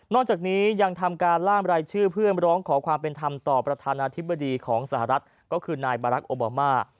จากนี้ยังทำการล่ามรายชื่อเพื่อร้องขอความเป็นธรรมต่อประธานาธิบดีของสหรัฐก็คือนายบารักษ์โอบามา